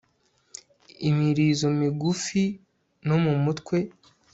imirizo mugifu no mumutwe